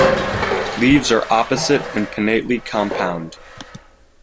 Leaves are opposite and pinnately compound.